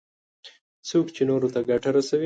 څوک چې نورو ته ګټه رسوي.